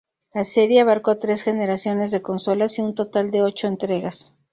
La serie abarcó tres generaciones de consolas y un total de ocho entregas.